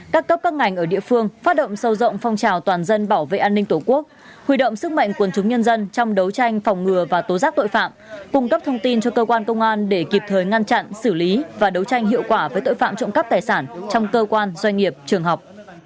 các cấp các ngành ở địa phương phát động sâu rộng phong trào toàn dân bảo vệ an ninh tổ quốc huy động sức mạnh quần chúng nhân dân trong đấu tranh phòng ngừa và tố giác tội phạm cung cấp thông tin cho cơ quan công an để kịp thời ngăn chặn xử lý và đấu tranh hiệu quả với tội phạm trộm cắp tài sản trong cơ quan doanh nghiệp trường học